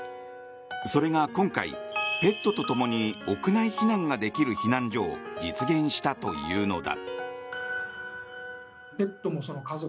それが今回、ペットと共に屋内避難ができる避難所を実現したというのだ。